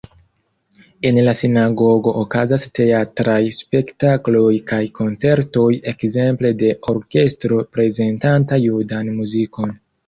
En la sinagogo okazas teatraj spektakloj kaj koncertoj, ekzemple de orkestro prezentanta judan muzikon.